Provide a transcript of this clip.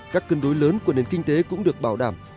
các cân đối lớn của nền kinh tế cũng được bảo đảm